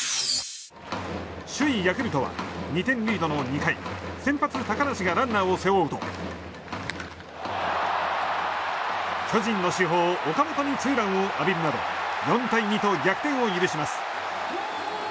首位ヤクルトは２点リードの２回先発、高梨がランナーを背負うと巨人の主砲、岡本にツーランを浴びるなど４対２と逆転を許します。